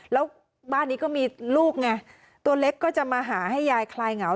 แล้วบ้านนี้ก็มีลูกไงตัวเล็กก็จะมาหาให้ยายคลายเหงา